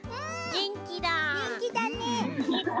げんきだね。